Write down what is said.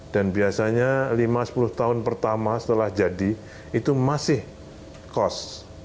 dan biasanya lima sepuluh tahun pertama setelah jadi itu masih kos